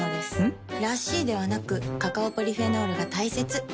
ん？らしいではなくカカオポリフェノールが大切なんです。